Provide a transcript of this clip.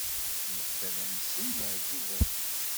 Nebda la nsel leԑğubat.